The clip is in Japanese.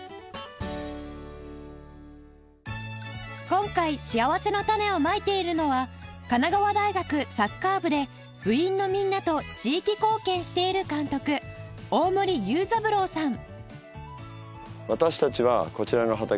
今回しあわせのたねをまいているのは神奈川大学サッカー部で部員のみんなと地域貢献している監督大森酉三郎さん